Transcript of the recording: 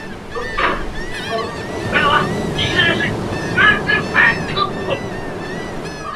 艾恩多夫是德国下萨克森州的一个市镇。